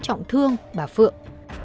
trọng thương bà phượng